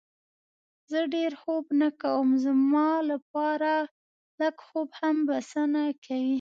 زه ډېر خوب نه کوم، زما لپاره لږ خوب هم بسنه کوي.